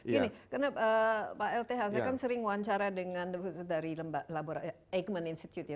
gini karena pak lthc kan sering wawancara dengan dari labora eggman institute ya